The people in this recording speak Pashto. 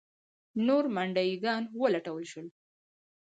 نور منډیي ګان ولټول شول.